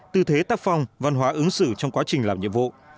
tư thế tác phong văn hóa ứng xử trong quá trình làm nhiệm vụ